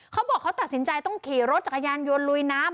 เขาบอกเขาตัดสินใจต้องขี่รถจักรยานยนต์ลุยน้ำ